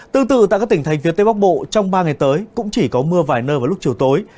tương tự tại các tỉnh thành phía tây bắc bộ trong ba ngày tới cũng chỉ có mưa vài nơi vào lúc chiều tối